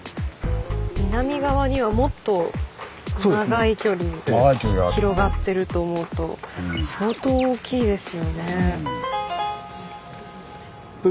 南側にはもっと長い距離広がってると思うと相当大きいですよね。